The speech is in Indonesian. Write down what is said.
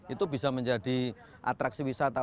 itu bisa menjadi atraksi wisata